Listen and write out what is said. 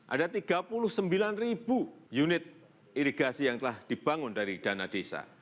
ada tiga puluh sembilan ribu unit irigasi yang telah dibangun dari dana desa